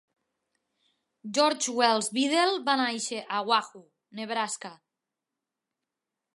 George Wells Beadle va néixer a Wahoo, Nebraska.